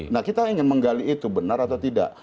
nah kita ingin menggali itu benar atau tidak